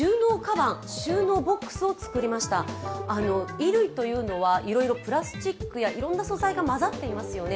衣類というのはいろいろプラスチックやいろんな素材が混ざっていますよね。